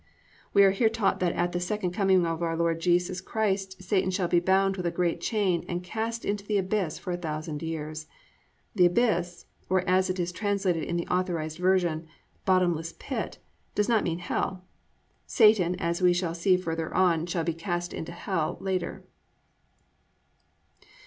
"+ We are here taught that _at the Second Coming of our Lord Jesus Christ Satan shall be bound with a great chain and cast into the abyss for a thousand years_. The abyss, or as it is translated in the Authorised Version, "bottomless pit," does not mean hell. Satan, as we shall see further on, shall be cast into hell later.